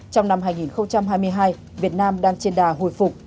trong năm hai nghìn hai mươi hai việt nam đang trên đà hồi phục